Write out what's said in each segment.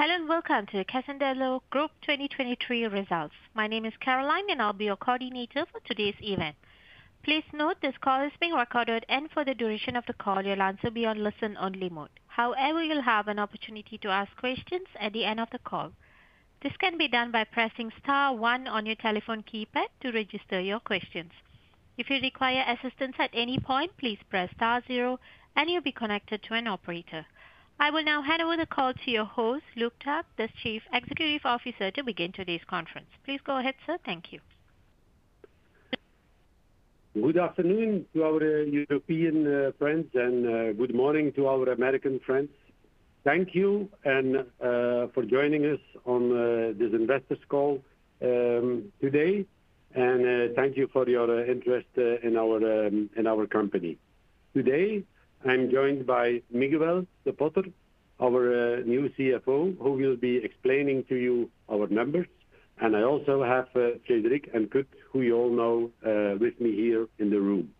Hello, and welcome to the Tessenderlo Group 2023 Results. My name is Caroline, and I'll be your coordinator for today's event. Please note this call is being recorded, and for the duration of the call, your lines will be on listen-only mode. However, you'll have an opportunity to ask questions at the end of the call. This can be done by pressing star one on your telephone keypad to register your questions. If you require assistance at any point, please press star zero, and you'll be connected to an operator. I will now hand over the call to your host, Luc Tack, the Chief Executive Officer, to begin today's conference. Please go ahead, sir. Thank you. Good afternoon to our European friends, and good morning to our American friends. Thank you for joining us on this investors call today, and thank you for your interest in our company. Today, I'm joined by Miguel de Potter, our new CFO, who will be explaining to you our numbers, and I also have Cedric and Kurt, who you all know, with me here in the room.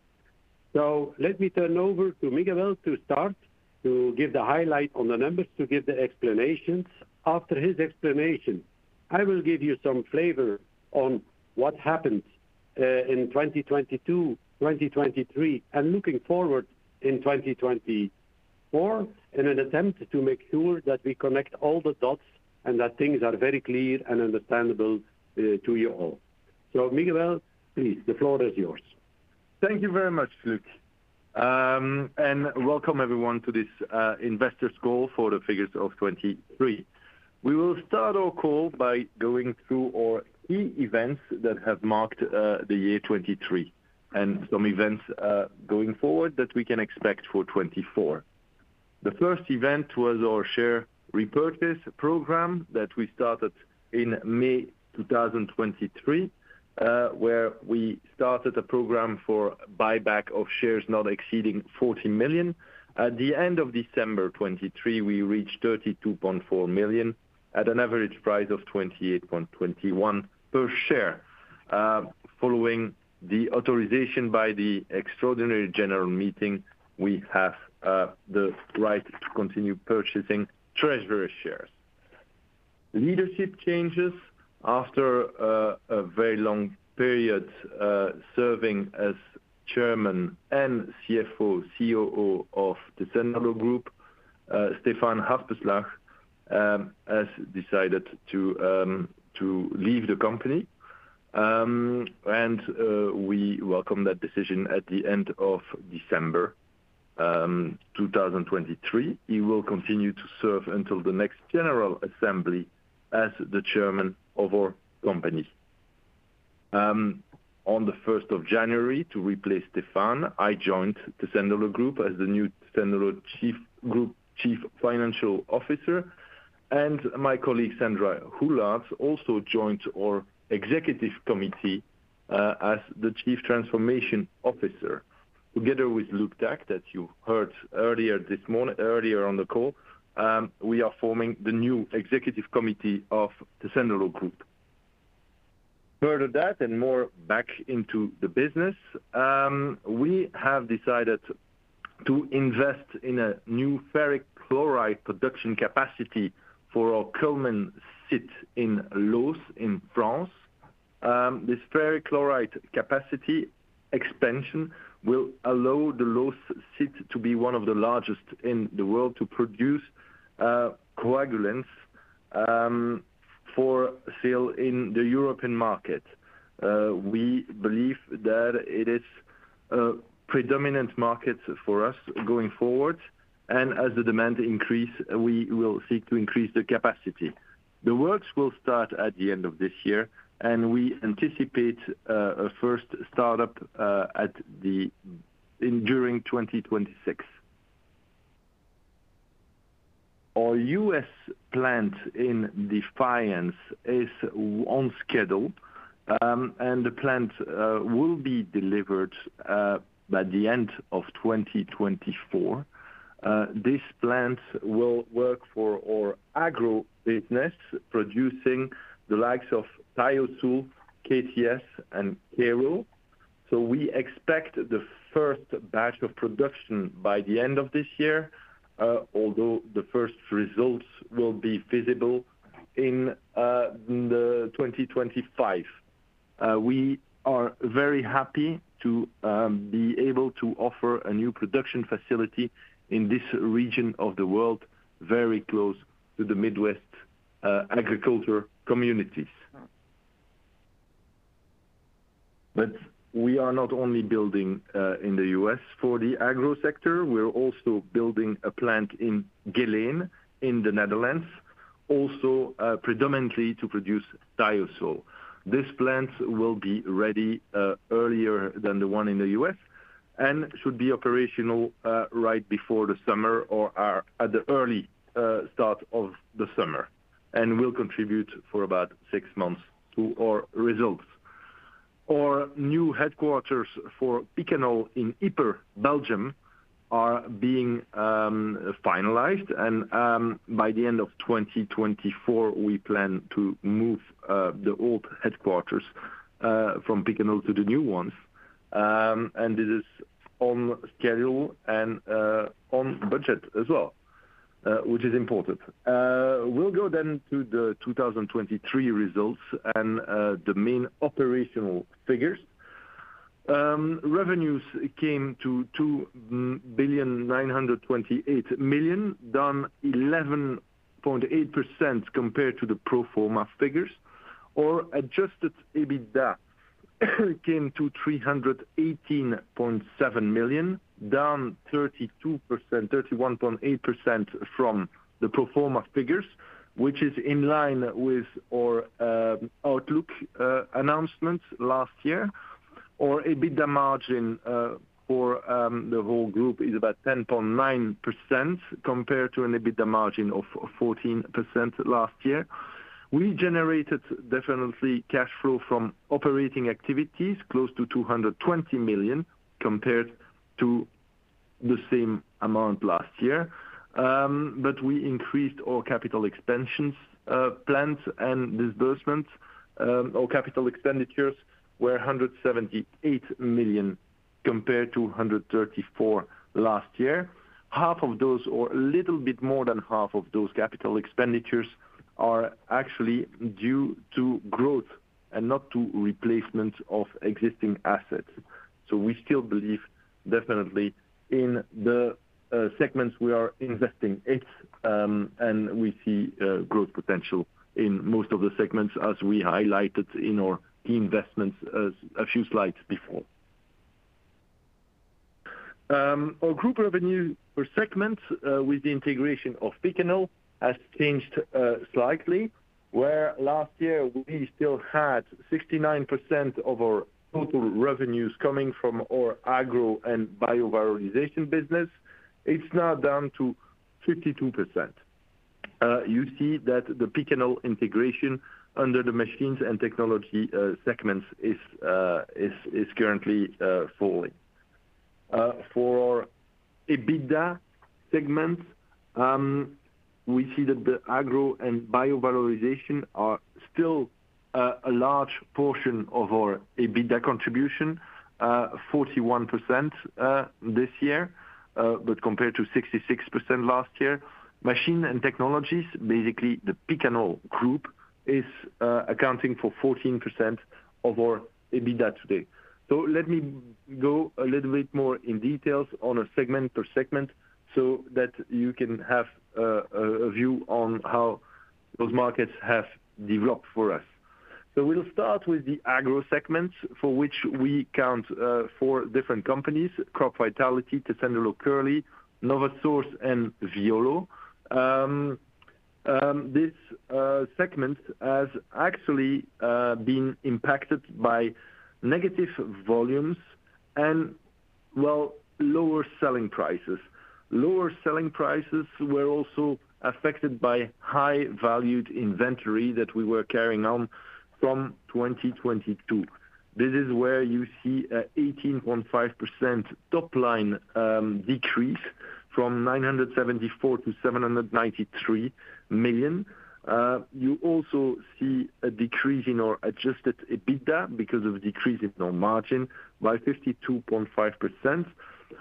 So let me turn over to Miguel to start, to give the highlight on the numbers, to give the explanations. After his explanation, I will give you some flavor on what happened in 2022, 2023, and looking forward in 2024, in an attempt to make sure that we connect all the dots and that things are very clear and understandable to you all. Miguel, please, the floor is yours. Thank you very much, Luc. And welcome everyone to this investors call for the figures of 2023. We will start our call by going through our key events that have marked the year 2023 and some events going forward that we can expect for 2024. The first event was our share repurchase program that we started in May 2023, where we started a program for buyback of shares not exceeding 40 million. At the end of December 2023, we reached 32.4 million at an average price of 28.21 per share. Following the authorization by the extraordinary general meeting, we have the right to continue purchasing treasury shares. Leadership changes after a very long period serving as chairman and CFO, COO of Tessenderlo Group, Stefaan Haspeslagh has decided to leave the company. We welcome that decision at the end of December 2023. He will continue to serve until the next general assembly as the chairman of our company. On the first of January, to replace Stefaan, I joined Tessenderlo Group as the new Tessenderlo Group Chief Financial Officer, and my colleague, Sandra Hoeylaerts, also joined our executive committee, as the Chief Transformation Officer. Together with Luc Tack, that you heard earlier on the call, we are forming the new executive committee of Tessenderlo Group. Further that, and more back into the business, we have decided to invest in a new ferric chloride production capacity for our Kuhlmann site in Loos, in France. This ferric chloride capacity expansion will allow the Loos site to be one of the largest in the world to produce coagulants for sale in the European market. We believe that it is a predominant market for us going forward, and as the demand increase, we will seek to increase the capacity. The works will start at the end of this year, and we anticipate a first start-up during 2026. Our U.S. plant in Defiance is on schedule, and the plant will be delivered by the end of 2024. This plant will work for our agro business, producing the likes of Thio-Sul, KTS and K-Row. So we expect the first batch of production by the end of this year, although the first results will be visible in the 2025. We are very happy to be able to offer a new production facility in this region of the world, very close to the Midwest agriculture communities. But we are not only building in the U.S. for the agro sector, we're also building a plant in Geleen in the Netherlands, also predominantly to produce Thio-Sul. This plant will be ready earlier than the one in the U.S. and should be operational right before the summer or at the early start of the summer, and will contribute for about six months to our results. Our new headquarters for Picanol in Ieper, Belgium, are being finalized, and by the end of 2024, we plan to move the old headquarters from Picanol to the new ones. And it is on schedule and on budget as well, which is important. We'll go then to the 2023 results and the main operational figures. Revenues came to 2,928 million, down 11.8% compared to the pro forma figures, or Adjusted EBITDA came to 318.7 million, down 32%, 31.8% from the pro forma figures, which is in line with our outlook announcement last year, or EBITDA margin for the whole group is about 10.9% compared to an EBITDA margin of 14% last year. We generated definite cash flow from operating activities, close to 220 million, compared to the same amount last year. But we increased our capital expenditures plans and disbursements. Our capital expenditures were 178 million compared to 134 million last year. Half of those, or a little bit more than half of those capital expenditures, are actually due to growth and not to replacement of existing assets. So we still believe, definitely in the segments we are investing in, and we see growth potential in most of the segments, as we highlighted in our key investments a few slides before. Our group revenue per segment, with the integration of Picanol, has changed slightly, where last year we still had 69% of our total revenues coming from our Agro and Bio-valorization business. It's now down to 52%. You see that the Picanol integration under the machines and technology segments is currently falling. For EBITDA segments, we see that the agro and bio-valorization are still a large portion of our EBITDA contribution, 41% this year, but compared to 66% last year. Machines and Technologies, basically, the Picanol Group is accounting for 14% of our EBITDA today. So let me go a little bit more in details on a segment per segment, so that you can have a view on how those markets have developed for us. So we'll start with the Agro segment, for which we count four different companies, Crop Vitality, Tessenderlo Kerley, NovaSource, and Violleau. This segment has actually been impacted by negative volumes and, well, lower selling prices. Lower selling prices were also affected by high valued inventory that we were carrying on from 2022. This is where you see an 18.5% top line decrease from 974 million to 793 million. You also see a decrease in our Adjusted EBITDA because of a decrease in our margin by 52.5%,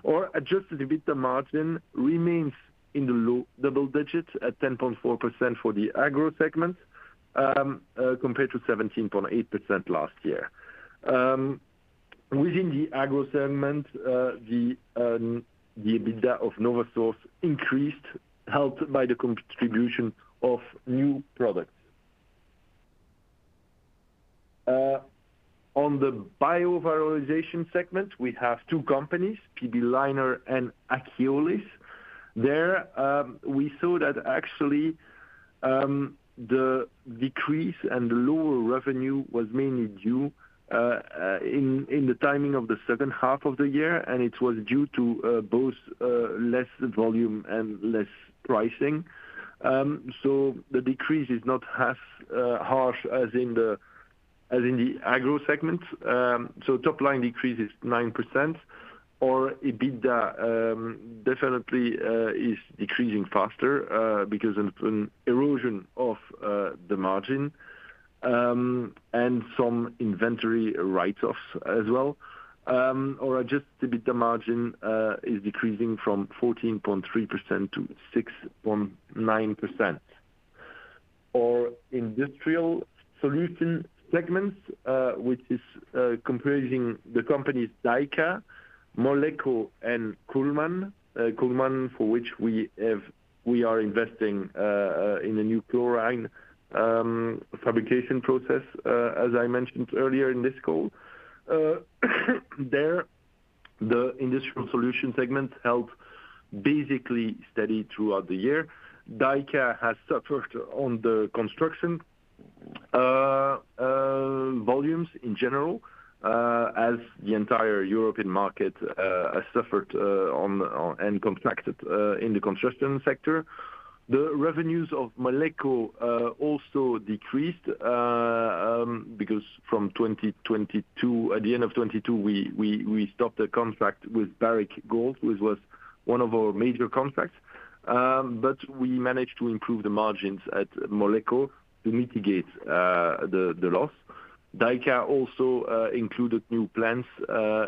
our Adjusted EBITDA margin remains in the low double digits at 10.4% for the Agro segment, compared to 17.8% last year. Within the Agro segment, the EBITDA of NovaSource increased, helped by the contribution of new products. On the Bio-valorization segment, we have two companies, PB Leiner and Akiolis. There, we saw that actually the decrease and lower revenue was mainly due in the timing of the second half of the year, and it was due to both less volume and less pricing. So the decrease is not half as harsh as in the Agro segment. So top-line decrease is 9%, or EBITDA, definitely is decreasing faster because of an erosion of the margin and some inventory write-offs as well. Or adjusted EBITDA margin is decreasing from 14.3% to 6.9%. Our Industrial Solutions segment, which is comprising the companies DYKA, Moleko, and Kuhlmann. Kuhlmann, for which we have—we are investing in a new chlorine fabrication process, as I mentioned earlier in this call. There, the Industrial Solutions segment held basically steady throughout the year. DYKA has suffered on the construction volumes in general, as the entire European market has suffered on and contracted in the construction sector. The revenues of Moleko also decreased because from 2022, at the end of 2022, we stopped a contract with Barrick Gold, which was one of our major contracts. But we managed to improve the margins at Moleko to mitigate the loss. DYKA also included new plants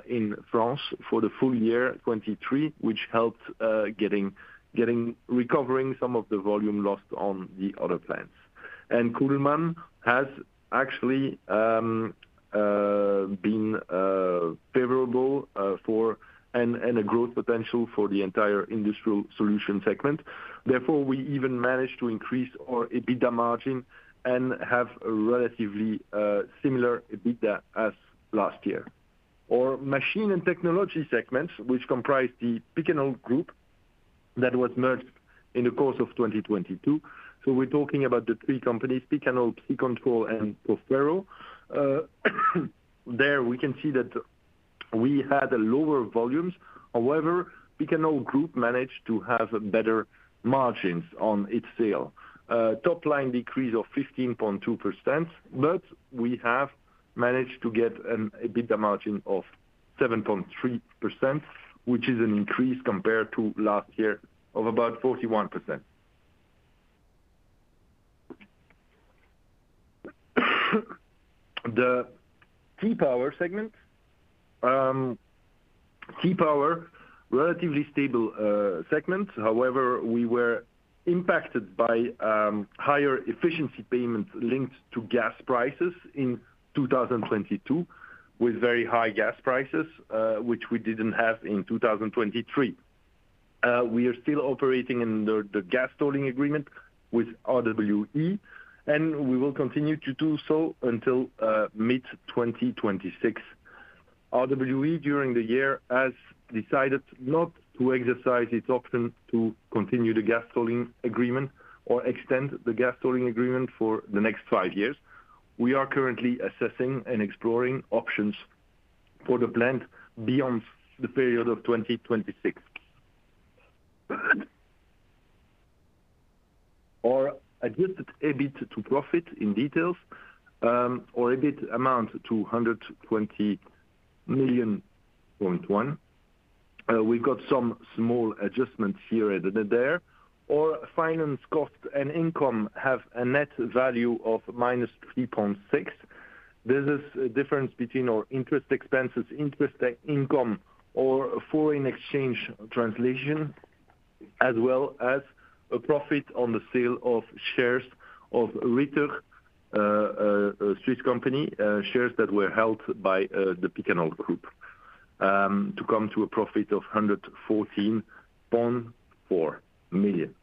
in France for the full year 2023, which helped getting recovering some of the volume lost on the other plants. And Kuhlmann has actually been favorable for and a growth potential for the entire Industrial Solutions segment. Therefore, we even managed to increase our EBITDA margin and have a relatively similar EBITDA as last year. Our Machines and Technologies segment, which comprises the Picanol Group, that was merged in the course of 2022. We're talking about the three companies, Picanol, PsiControl, and Proferro. There we can see that we had lower volumes. However, Picanol Group managed to have better margins on its sales. Top line decrease of 15.2%, but we have managed to get an EBITDA margin of 7.3%, which is an increase compared to last year of about 41%. The T-Power segment. T-Power, relatively stable segment. However, we were impacted by higher efficiency payments linked to gas prices in 2022, with very high gas prices, which we didn't have in 2023. We are still operating under the gas tolling agreement with RWE, and we will continue to do so until mid-2026. RWE, during the year, has decided not to exercise its option to continue the gas tolling agreement or extend the gas tolling agreement for the next five years. We are currently assessing and exploring options for the plant beyond the period of 2026. Our adjusted EBIT to profit in details, our EBIT amount to 120.1 million. We've got some small adjustments here and there. Our finance cost and income have a net value of -3.6 million. This is a difference between our interest expenses, interest income, or foreign exchange translation, as well as a profit on the sale of shares of Rieter, a Swiss company, shares that were held by, the Picanol Group, to come to a profit of 114.4 million.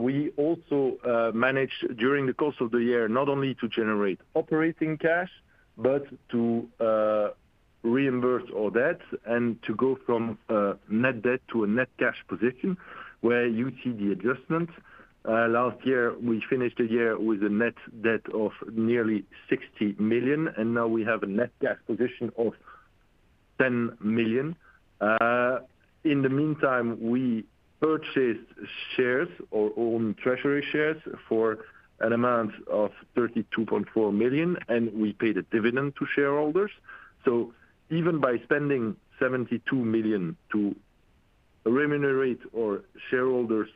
We also managed during the course of the year not only to generate operating cash, but to reimburse our debts and to go from a net debt to a net cash position, where you see the adjustment. Last year, we finished the year with a net debt of nearly 60 million, and now we have a net cash position of 10 million. In the meantime, we purchased shares or own treasury shares for an amount of 32.4 million, and we paid a dividend to shareholders. So even by spending 72 million to remunerate our shareholders,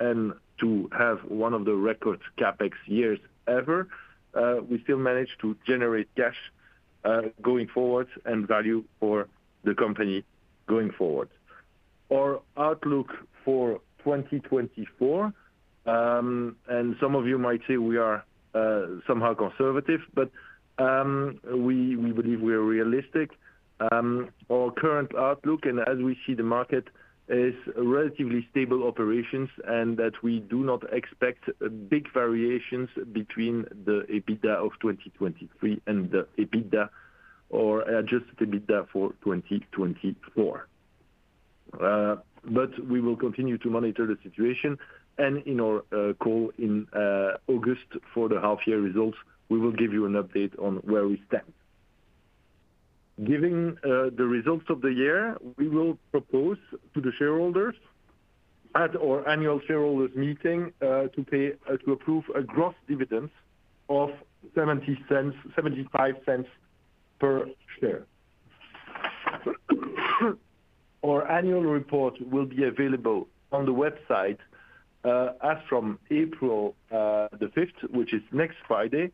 and to have one of the record CapEx years ever, we still managed to generate cash going forward and value for the company going forward. Our outlook for 2024 and some of you might say we are somehow conservative, but we, we believe we are realistic. Our current outlook, and as we see the market, is relatively stable operations and that we do not expect big variations between the EBITDA of 2023 and the EBITDA or Adjusted EBITDA for 2024. But we will continue to monitor the situation, and in our call in August for the half-year results, we will give you an update on where we stand. Giving the results of the year, we will propose to the shareholders at our annual shareholders meeting to approve a gross dividend of 0.70, 0.75 per share. Our annual report will be available on the website, as from April the 5th, which is next Friday,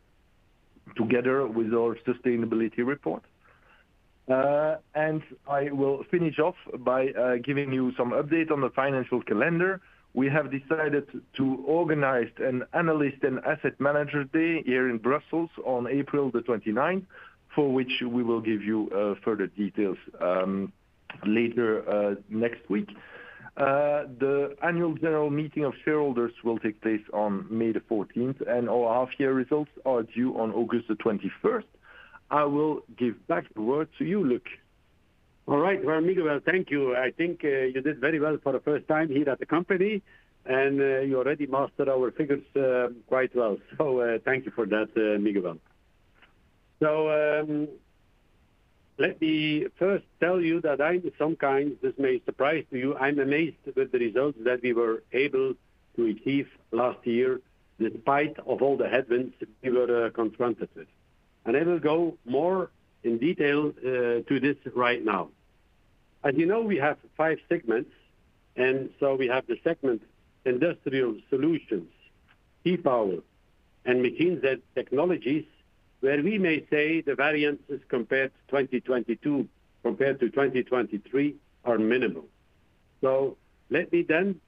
together with our sustainability report. And I will finish off by giving you some update on the financial calendar. We have decided to organize an analyst and asset manager day here in Brussels on April the 29th, for which we will give you further details, later next week. The annual general meeting of shareholders will take place on May the 14th, and our half year results are due on August the 21st. I will give back the word to you, Luc. All right, well, Miguel, thank you. I think you did very well for the first time here at the company, and you already mastered our figures quite well. So thank you for that, Miguel. So let me first tell you that I, in some kind, this may surprise to you, I'm amazed with the results that we were able to achieve last year, despite of all the headwinds we were confronted with. And I will go more in detail to this right now. As you know, we have five segments, and so we have the segment, Industrial Solutions, T-Power, and Machines & Technologies, where we may say the variances compared to 2022, compared to 2023, are minimal. So let me then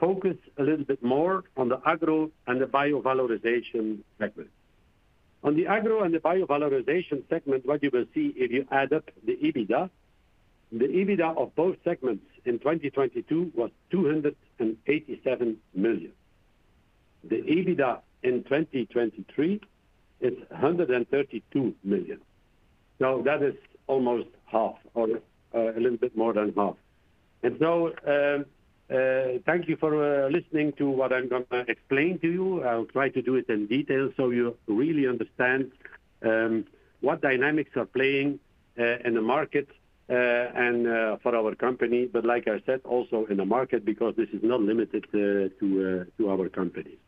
focus a little bit more on the Agro and the Bio-valorization segment. On the Agro and the Bio-valorization segment, what you will see if you add up the EBITDA, the EBITDA of both segments in 2022 was 287 million. The EBITDA in 2023 is 132 million. Now, that is almost half or a little bit more than half. And so, thank you for listening to what I'm gonna explain to you. I'll try to do it in detail so you really understand what dynamics are playing in the market and for our company. But like I said, also in the market, because this is not limited to our company.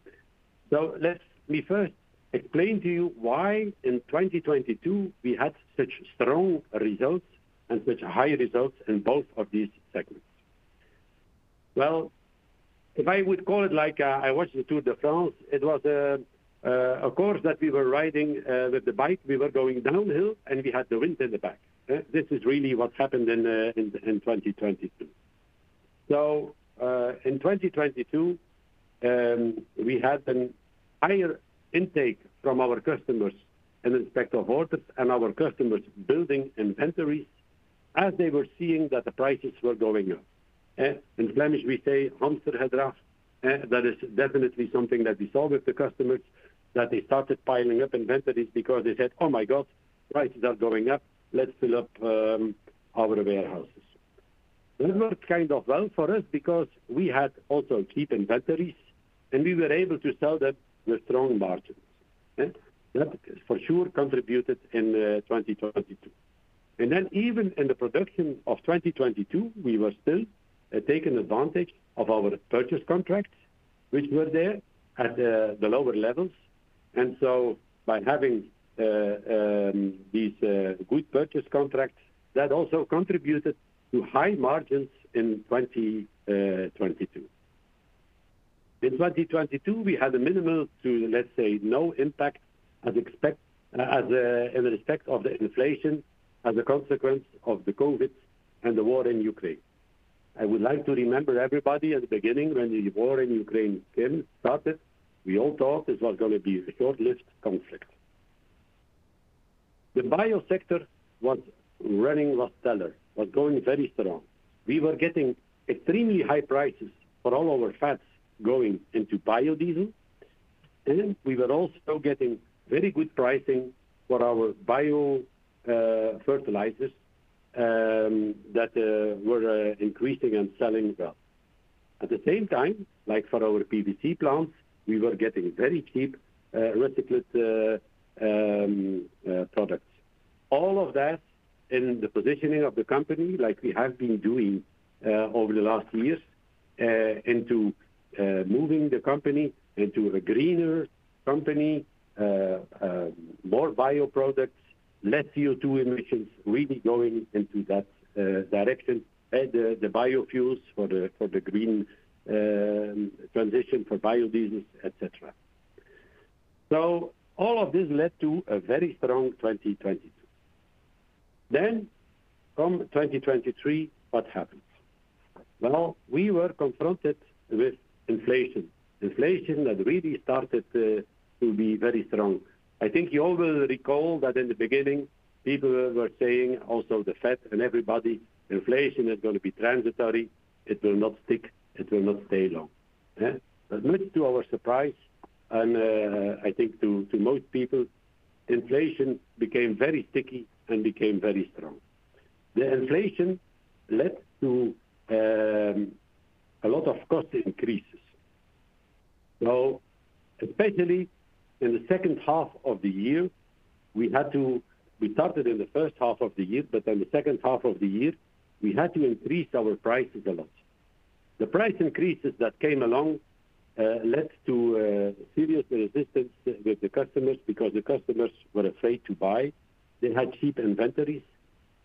So let me first explain to you why in 2022 we had such strong results and such high results in both of these segments. Well, if I would call it like, I watched the Tour de France, it was a course that we were riding with the bike. We were going downhill, and we had the wind in the back. This is really what happened in 2022. So, in 2022, we had an higher intake from our customers in respect of potash and our customers building inventories as they were seeing that the prices were going up. In Flemish, we say, "...," that is definitely something that we saw with the customers, that they started piling up inventories because they said, "Oh, my God, prices are going up. Let's fill up our warehouses." It worked kind of well for us because we had also cheap inventories, and we were able to sell that with strong margins. That for sure contributed in 2022. And then even in the production of 2022, we were still taking advantage of our purchase contracts, which were there at the lower levels. And so by having these good purchase contracts, that also contributed to high margins in 2022. In 2022, we had a minimal to, let's say, no impact, as in respect of the inflation, as a consequence of the COVID and the war in Ukraine. I would like to remember everybody at the beginning, when the war in Ukraine started, we all thought this was gonna be a short-lived conflict. The bio sector was running like stellar, was going very strong. We were getting extremely high prices for all our fats going into biodiesel. And we were also getting very good pricing for our bio fertilizers that were increasing and selling well. At the same time, like for our PVC plants, we were getting very cheap recycled products. All of that in the positioning of the company, like we have been doing over the last years into moving the company into a greener company, more bio products, less CO2 emissions, really going into that direction, and the biofuels for the green transition for biodiesel, et cetera. So all of this led to a very strong 2022. Then from 2023, what happened? Well, we were confronted with inflation. Inflation that really started to be very strong. I think you all will recall that in the beginning, people were saying, also the Fed and everybody, "Inflation is going to be transitory. It will not stick. It will not stay long." But much to our surprise and, I think to most people, inflation became very sticky and became very strong. The inflation led to a lot of cost increases. So especially in the second half of the year, we had to... We started in the first half of the year, but in the second half of the year, we had to increase our prices a lot. The price increases that came along led to serious resistance with the customers because the customers were afraid to buy. They had cheap inventories,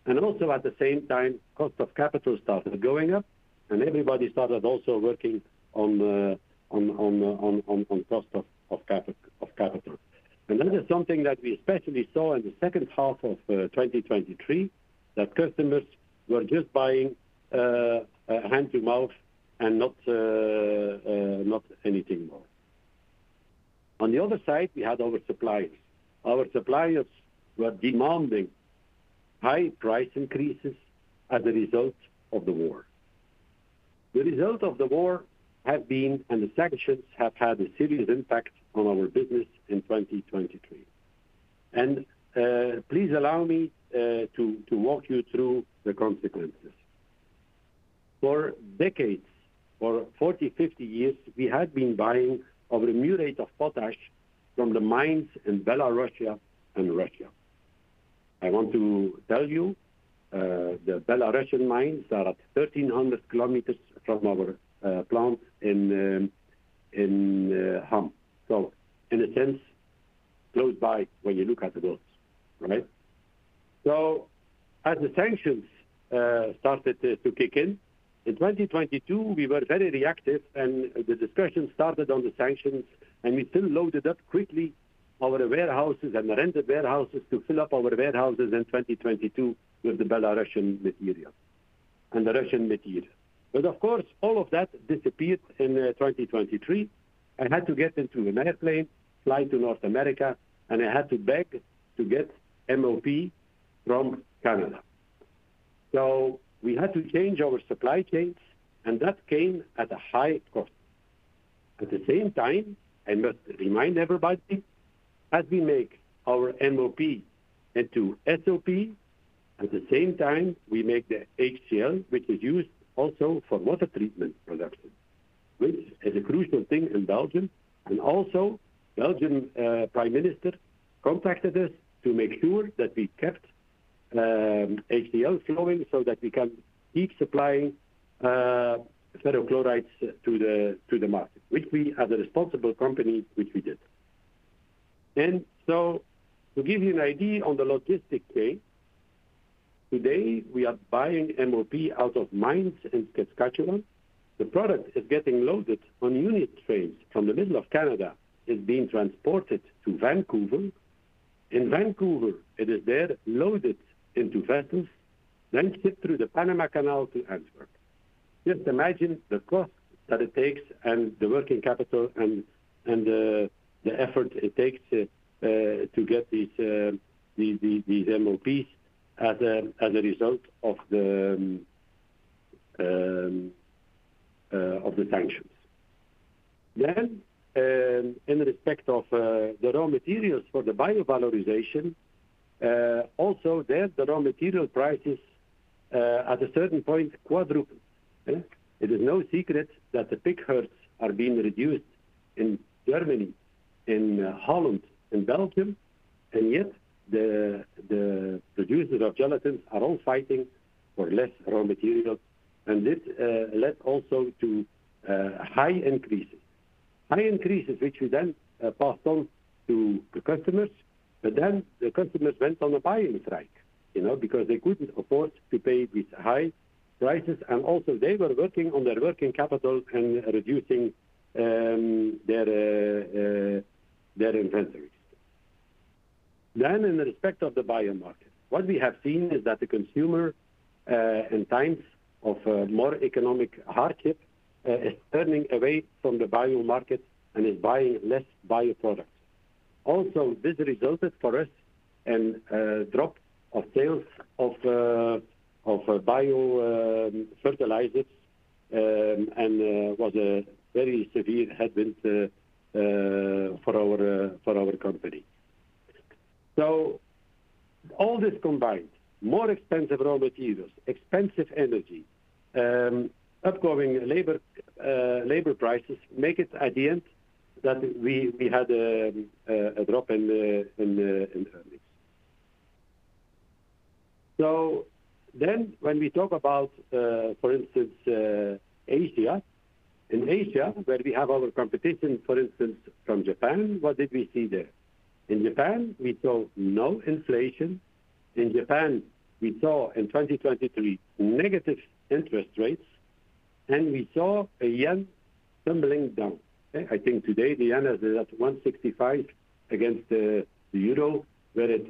and also at the same time, cost of capital started going up, and everybody started also working on the cost of capital. And that is something that we especially saw in the second half of 2023, that customers were just buying hand to mouth and not anything more. On the other side, we had our suppliers. Our suppliers were demanding high price increases as a result of the war. The result of the war have been, and the sanctions have had a serious impact on our business in 2023. And please allow me to walk you through the consequences. For decades, for 40, 50 years, we had been buying our Muriate of Potash from the mines in Belarus and Russia.... I want to tell you, the Belarusian mines are at 1,300 kilometers from our plant in Ham. So in a sense, close by when you look at the roads, right? So as the sanctions started to kick in, in 2022, we were very reactive, and the discussion started on the sanctions, and we still loaded up quickly our warehouses and rented warehouses to fill up our warehouses in 2022 with the Belarusian material and the Russian material. But of course, all of that disappeared in 2023. I had to get into another plane, fly to North America, and I had to beg to get MOP from Canada. So we had to change our supply chains, and that came at a high cost. At the same time, I must remind everybody, as we make our MOP into SOP, at the same time, we make the HCl, which is used also for water treatment production, which is a crucial thing in Belgium. And also, Belgian Prime Minister contacted us to make sure that we kept HCl flowing so that we can keep supplying ferrochlorides to the market, which we, as a responsible company, which we did. Then, so to give you an idea on the logistic chain, today, we are buying MOP out of mines in Saskatchewan. The product is getting loaded on unit trains from the middle of Canada, is being transported to Vancouver. In Vancouver, it is there loaded into vessels, then shipped through the Panama Canal to Antwerp. Just imagine the cost that it takes and the working capital and the effort it takes to get these MOPs as a result of the sanctions. Then, in respect of the raw materials for the Bio-valorization, also there, the raw material prices at a certain point, quadrupled. It is no secret that the pig herds are being reduced in Germany, in Holland, in Belgium, and yet the producers of gelatin are all fighting for less raw materials, and this led also to high increases. High increases, which we then passed on to the customers, but then the customers went on a buying strike, you know, because they couldn't afford to pay these high prices, and also they were working on their working capital and reducing their inventories. Then in respect of the bio market, what we have seen is that the consumer in times of more economic hardship is turning away from the bio market and is buying less bio products. Also, this resulted for us in a drop of sales of bio fertilizers, and was a very severe headwind for our company. So all this combined, more expensive raw materials, expensive energy, upcoming labor prices, make it at the end that we had a drop in the earnings. So then when we talk about, for instance, Asia. In Asia, where we have our competition, for instance, from Japan, what did we see there? In Japan, we saw no inflation. In Japan, we saw in 2023 negative interest rates, and we saw a yen tumbling down. I think today the yen is at 165 against the euro, where it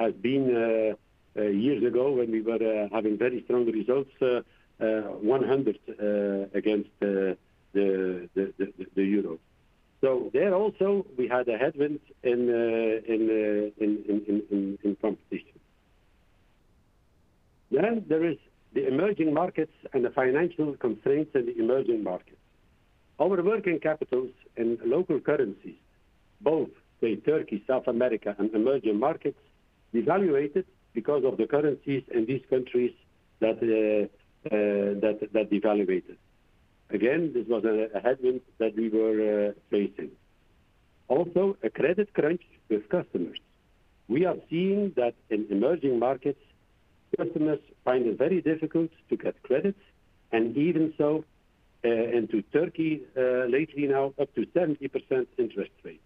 has been years ago when we were having very strong results, 100 against the euro. So there also, we had a headwind in competition. Then there is the emerging markets and the financial constraints in the emerging markets. Our working capitals in local currencies, both in Turkey, South America, and emerging markets, devalued because of the currencies in these countries that devalued. Again, this was a headwind that we were facing. Also, a credit crunch with customers. We are seeing that in emerging markets, customers find it very difficult to get credits, and even so, into Turkey, lately now, up to 70% interest rate.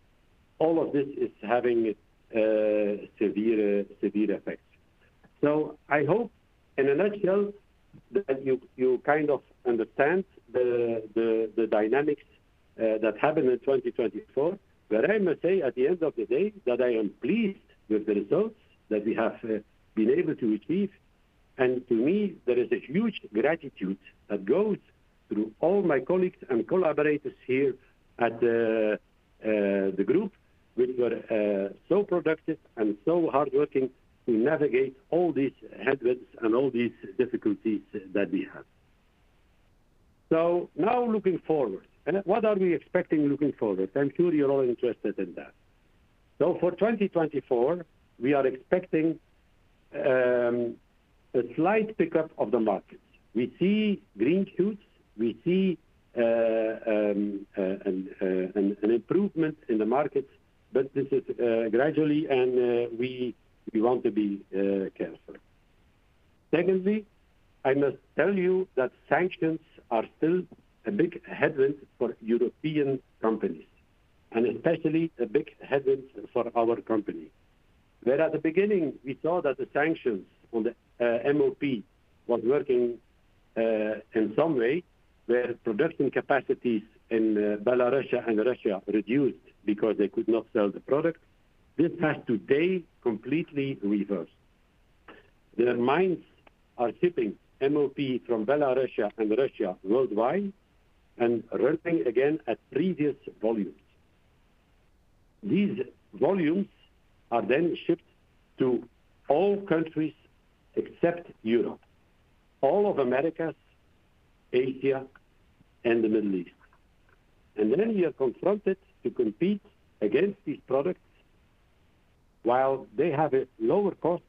All of this is having severe, severe effects. So I hope in a nutshell, that you kind of understand the dynamics that happened in 2024. But I must say, at the end of the day, that I am pleased with the results that we have been able to achieve. And to me, there is a huge gratitude that goes through all my colleagues and collaborators here at the, the group, which were so productive and so hardworking to navigate all these headwinds and all these difficulties that we have. So now looking forward, and what are we expecting looking forward? I'm sure you're all interested in that. So for 2024, we are expecting a slight pickup of the market. We see green shoots, we see an improvement in the market, but this is gradually, and we want to be careful. Secondly, I must tell you that sanctions are still a big headwind for European companies, and especially a big headwind for our company. Where at the beginning, we saw that the sanctions on the, MOP was working, in some way, where production capacities in Belarus and Russia reduced because they could not sell the product. This has today completely reversed. Their mines are shipping MOP from Belarus and Russia worldwide and running again at previous volumes. These volumes are then shipped to all countries except Europe, all of Americas, Asia, and the Middle East. And then we are confronted to compete against these products while they have a lower cost,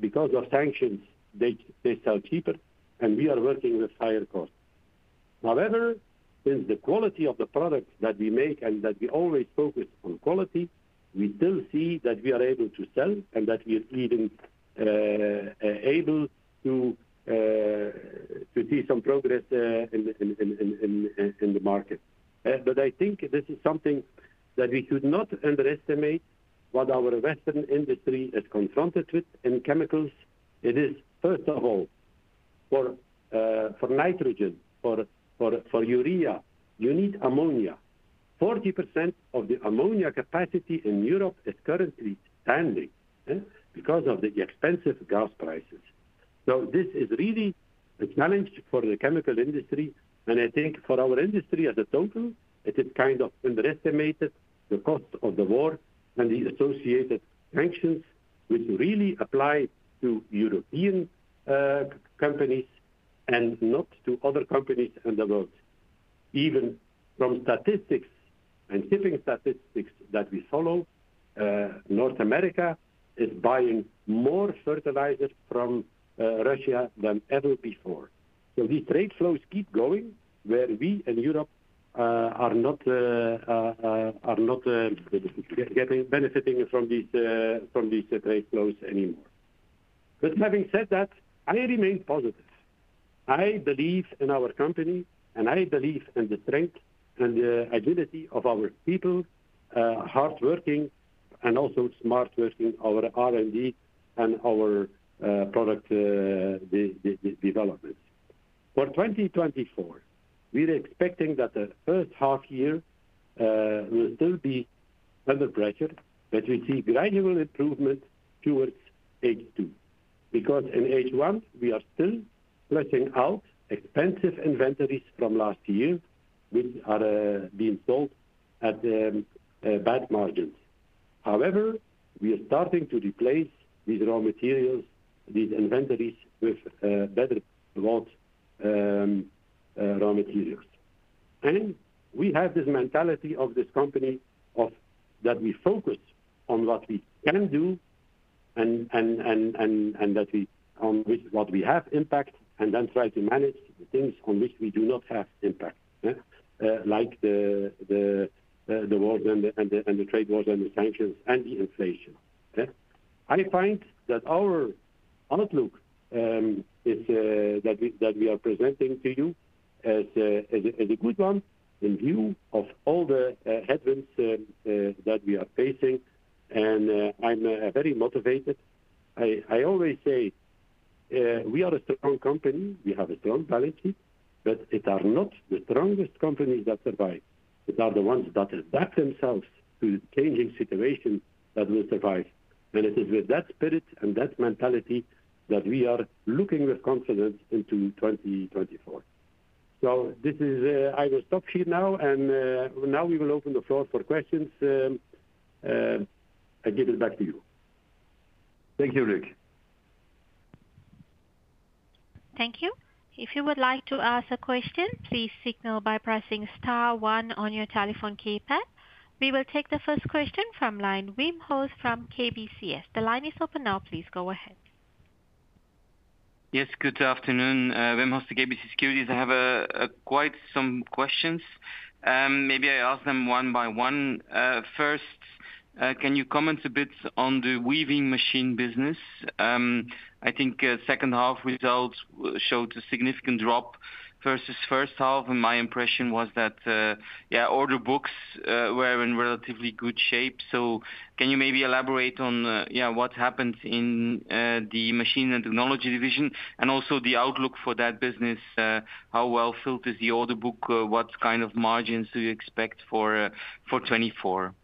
because of sanctions, they, they sell cheaper, and we are working with higher costs. However, since the quality of the products that we make and that we always focus on quality, we still see that we are able to sell and that we are even able to see some progress in the market. But I think this is something that we should not underestimate what our Western industry is confronted with in chemicals. It is, first of all, for nitrogen, for urea, you need ammonia. 40% of the ammonia capacity in Europe is currently standing, okay? Because of the expensive gas prices. So this is really a challenge for the chemical industry, and I think for our industry as a total, it is kind of underestimated the cost of the war and the associated sanctions, which really apply to European companies and not to other companies in the world. Even from statistics and shipping statistics that we follow, North America is buying more fertilizers from Russia than ever before. So these trade flows keep going, where we in Europe are not benefiting from these trade flows anymore. But having said that, I remain positive. I believe in our company, and I believe in the strength and the agility of our people, hardworking and also smart working, our R&D and our product development. For 2024, we're expecting that the first half year will still be under pressure, but we see gradual improvement towards H2. Because in H1, we are still flushing out expensive inventories from last year, which are being sold at bad margins. However, we are starting to replace these raw materials, these inventories, with better raw materials. And we have this mentality of this company of, that we focus on what we can do and that we, on which what we have impact, and then try to manage the things on which we do not have impact, yeah? Like the war and the trade wars and the sanctions and the inflation. Okay? I find that our outlook is that we are presenting to you as a good one, in view of all the headwinds that we are facing, and I'm very motivated. I always say we are a strong company, we have a strong balance sheet, but it are not the strongest companies that survive. It are the ones that adapt themselves to changing situations that will survive. And it is with that spirit and that mentality that we are looking with confidence into 2024. So this is... I will stop here now, and now we will open the floor for questions. I give it back to you. Thank you, Luc. Thank you. If you would like to ask a question, please signal by pressing star one on your telephone keypad. We will take the first question from line. Wim Hoste from KBC Securities. The line is open now. Please go ahead. Yes, good afternoon. Wim Hoste, KBC Securities. I have quite some questions. Maybe I ask them one by one. First, can you comment a bit on the weaving machine business? I think second half results showed a significant drop versus first half, and my impression was that yeah, order books were in relatively good shape. So can you maybe elaborate on yeah, what happened in the machine and technology division, and also the outlook for that business? How well filled is the order book? What kind of margins do you expect for for 2024?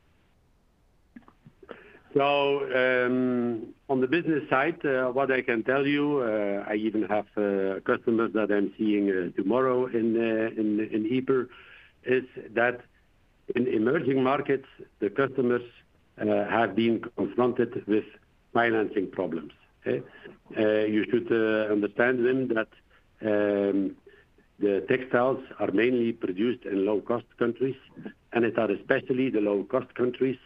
So, on the business side, what I can tell you, I even have customers that I'm seeing tomorrow in Ieper, is that in emerging markets, the customers have been confronted with financing problems. You should understand, Wim, that the textiles are mainly produced in low-cost countries, and it are especially the low-cost countries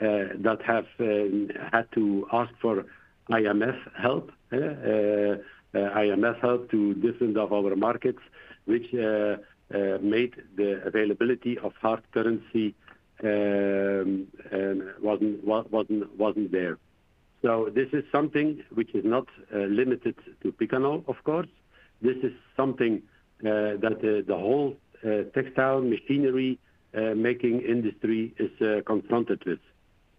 that have had to ask for IMF help to distance of our markets, which made the availability of hard currency was not there. So this is something which is not limited to Picanol, of course. This is something that the whole textile machinery making industry is confronted with.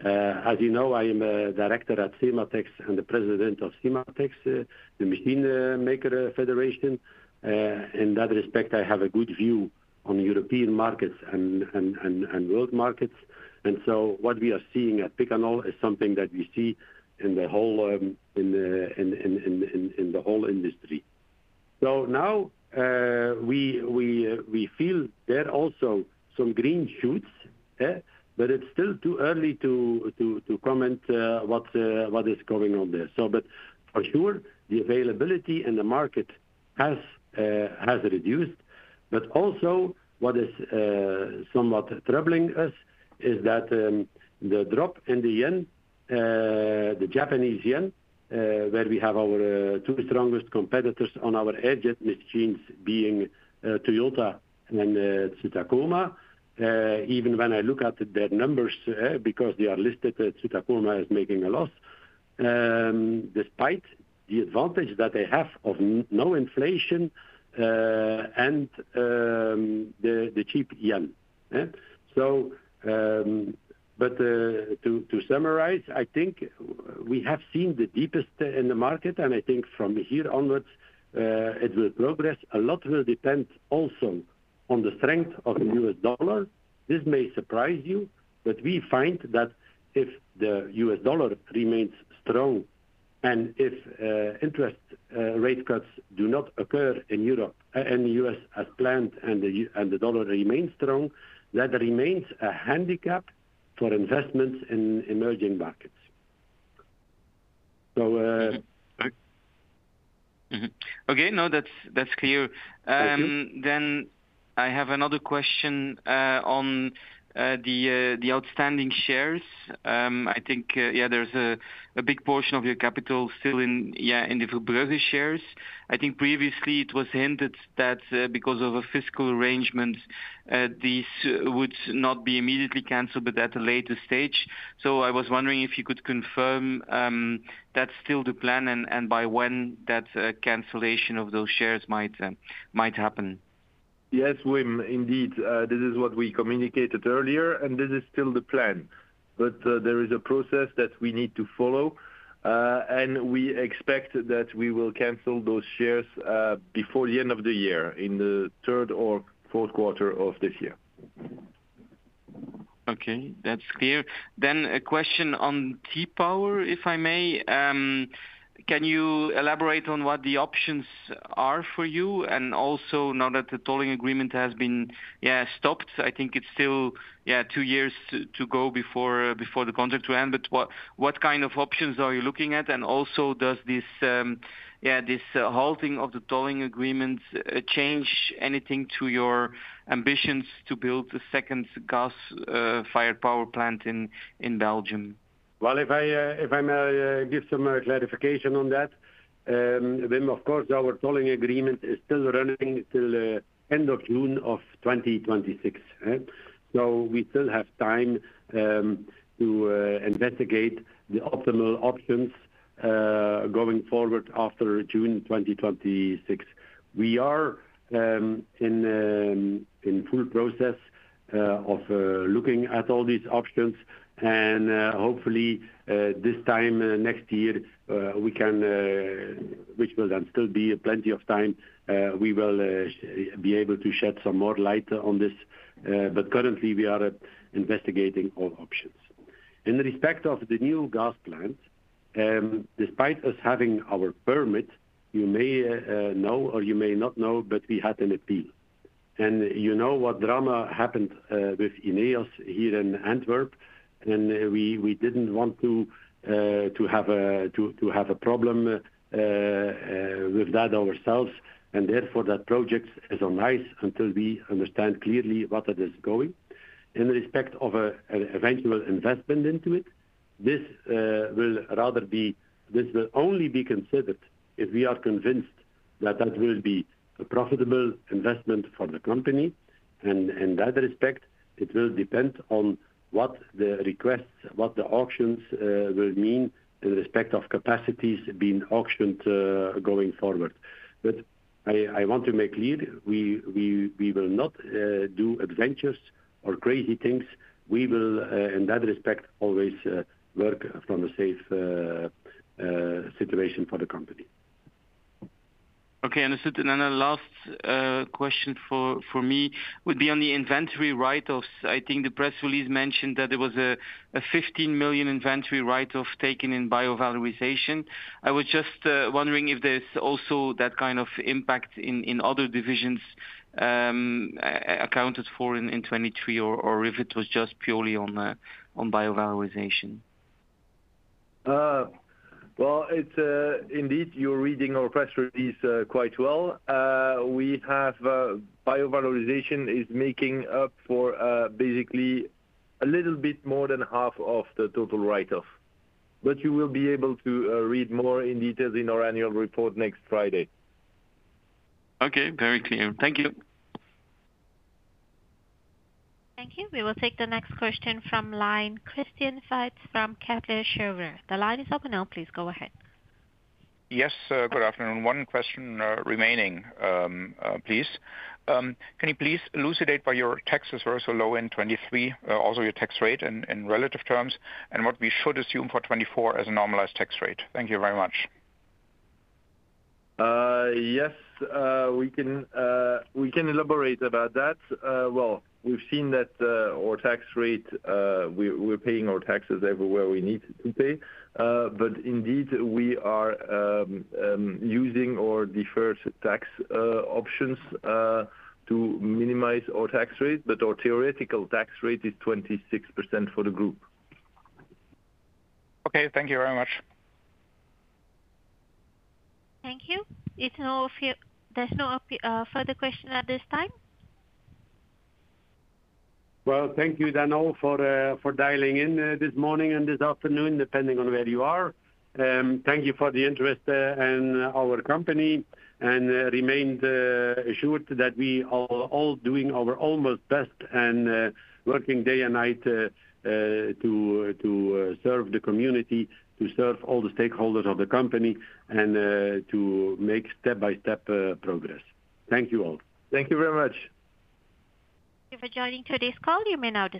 As you know, I am a director at CEMATEX and the president of CEMATEX, the machine maker federation. In that respect, I have a good view on European markets and world markets. And so what we are seeing at Picanol is something that we see in the whole industry. So now, we feel there are also some green shoots, eh? But it's still too early to comment what is going on there. So but for sure, the availability in the market has reduced. But also, what is somewhat troubling us is that, the drop in the yen, the Japanese yen, where we have our two strongest competitors on our airjet machines being, Toyota and Tsudakoma. Even when I look at their numbers, because they are listed, Tsudakoma is making a loss, despite the advantage that they have of no inflation, and the cheap yen. So, but to summarize, I think we have seen the deepest in the market, and I think from here onwards, it will progress. A lot will depend also on the strength of the US dollar. This may surprise you, but we find that if the U.S. dollar remains strong and if interest rate cuts do not occur in Europe in the US as planned, and the dollar remains strong, that remains a handicap for investments in emerging markets. So, Okay, no, that's, that's clear. Thank you. Then I have another question on the outstanding shares. I think, yeah, there's a big portion of your capital still in the Verbrugge shares. I think previously it was hinted that because of a fiscal arrangement these would not be immediately canceled, but at a later stage. So I was wondering if you could confirm that's still the plan and by when that cancellation of those shares might happen. Yes, Wim, indeed, this is what we communicated earlier, and this is still the plan. But there is a process that we need to follow, and we expect that we will cancel those shares before the end of the year, in the third or fourth quarter of this year. Okay, that's clear. Then a question on T-Power, if I may. Can you elaborate on what the options are for you? And also, now that the tolling agreement has been, yeah, stopped, I think it's still, yeah, two years to go before before the contract to end. But what kind of options are you looking at? And also, does this, yeah, this halting of the tolling agreement, change anything to your ambitions to build a second gas fired power plant in Belgium? Well, if I may give some clarification on that, then of course, our tolling agreement is still running till end of June 2026, right? So we still have time to investigate the optimal options going forward after June 2026. We are in full process of looking at all these options, and hopefully, this time next year, which will then still be plenty of time, we will be able to shed some more light on this. But currently, we are investigating all options. In the respect of the new gas plant, despite us having our permit, you may know or you may not know, but we had an appeal. You know what drama happened with Ineos here in Antwerp, and we didn't want to have a problem with that ourselves, and therefore, that project is on ice until we understand clearly what it is going. In the respect of an eventual investment into it, this will rather be- this will only be considered if we are convinced that that will be a profitable investment for the company. In that respect, it will depend on what the requests, what the auctions will mean in respect of capacities being auctioned going forward. But I want to make clear, we will not do adventurous or crazy things. We will, in that respect, always work from a safe situation for the company. Okay, understood. And then a last question for me would be on the inventory write-offs. I think the press release mentioned that there was a 15 million inventory write-off taken in Bio-valorization. I was just wondering if there's also that kind of impact in other divisions, accounted for in 2023, or if it was just purely on Bio-valorization? Well, it's, indeed, you're reading our press release, quite well. We have, Bio-valorization is making up for, basically a little bit more than half of the total write-off. But you will be able to, read more in details in our annual report next Friday. Okay, very clear. Thank you. Thank you. We will take the next question from line, Christian Faitz from Kepler Cheuvreux. The line is open now. Please go ahead. Yes, sir. Good afternoon. One question remaining, please. Can you please elucidate why your taxes were so low in 2023, also your tax rate in relative terms, and what we should assume for 2024 as a normalized tax rate? Thank you very much. Yes, we can elaborate about that. Well, we've seen that our tax rate, we're paying our taxes everywhere we need to pay. But indeed, we are using our deferred tax options to minimize our tax rate, but our theoretical tax rate is 26% for the group. Okay, thank you very much. Thank you. There's no apparent further question at this time. Well, thank you then all for, for dialing in, this morning and this afternoon, depending on where you are. Thank you for the interest, in our company, and, remain, assured that we are all doing our almost best and, working day and night, to, to, serve the community, to serve all the stakeholders of the company, and, to make step-by-step, progress. Thank you all. Thank you very much. Thank you for joining today's call. You may now disconnect.